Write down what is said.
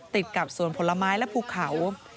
ติดกับสวนผลไม้และภูเขา